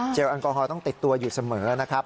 แอลกอฮอลต้องติดตัวอยู่เสมอนะครับ